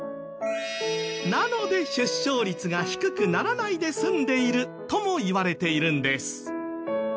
なので出生率が低くならないで済んでいるともいわれているんです。